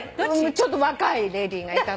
ちょっと若いレディーがいたの。